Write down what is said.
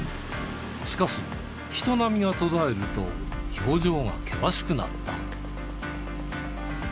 しかし、人波が途絶えると、表情が険しくなった。